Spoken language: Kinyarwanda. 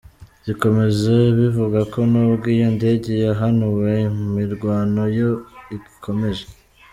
zikomeza bivuga ko nubwo iyo ndege yahanuwe ,imirwano yo igikomeje.